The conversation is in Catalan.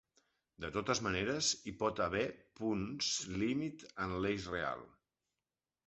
De totes maneres, hi pot haver punts límit en l'eix real.